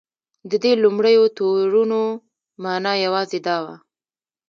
د دې لومړیو تورونو معنی یوازې دا وه.